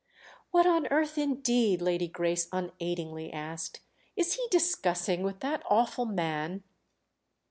"What on earth indeed?" Lady Grace unaidingly asked. "Is he discussing with that awful man?"